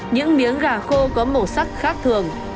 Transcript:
những miếng gà khô có màu sắc khác thường